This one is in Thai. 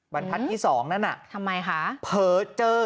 วันชั้นที่๒นั่นแหละทำไมค่ะเผอเจอ